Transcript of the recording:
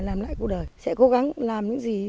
tôi cũng là cố gắng làm một cái gì đấy